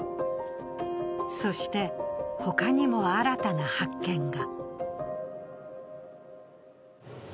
そして、他にも新たな発見が。